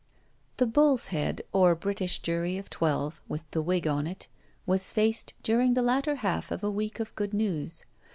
The Bull's Head, or British Jury of Twelve, with the wig on it, was faced during the latter half of a week of good news.